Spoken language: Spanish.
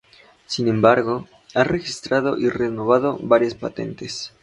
Sin embargo, ha registrado y renovado varias patentes.